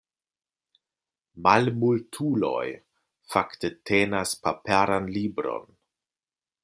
Malmultuloj fakte tenas paperan libron.